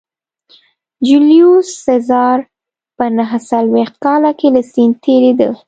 جیولیوس سزار په نهه څلوېښت کال کې له سیند تېرېده